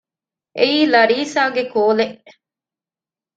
އެއީ ލަރީސާގެ ކޯލެއް